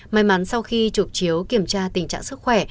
may mắn sau khi trục chiếu kiểm tra tình trạng sức khỏe